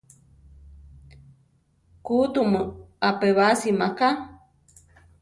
¡ʼku tumu apébasi máka!